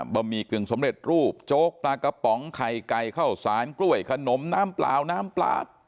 หมี่กึ่งสำเร็จรูปโจ๊กปลากระป๋องไข่ไก่ข้าวสารกล้วยขนมน้ำเปล่าน้ำปลา